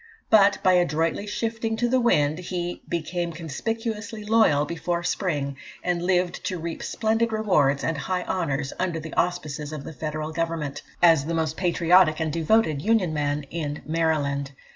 But by adroitly shifting to the wind, he "became conspicuously loyal before spring, and lived to reap splendid rewards and high honours under the auspices of the Federal Government, as the most patriotic and devoted Union man in Maryland."